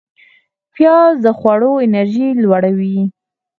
پیاز د خواړو انرژی لوړوي